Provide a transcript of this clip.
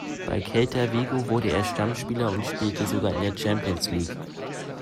Bei Celta Vigo wurde er Stammspieler und spielte sogar in der Champions League.